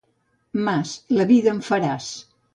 Mas, la vida em faràs.